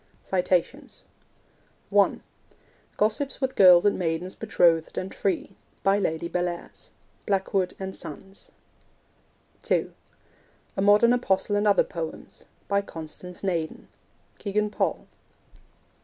(1) Gossips with Girls and Maidens Betrothed and Free. By Lady Bellairs. (Blackwood and Sons.) (2) A Modern Apostle and Other Poems. By Constance Naden. (Kegan Paul.)